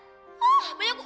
oh banyak gue